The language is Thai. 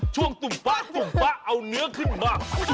ช่วงตุ้มป๊ะตุ้มป๊ะเอาเนื้อขึ้นมา